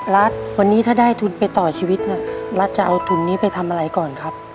รัฐวันนี้ถ้าได้ทุนไปต่อชีวิตนะรัฐจะเอาทุนนี้ไปทำอะไรก่อนครับ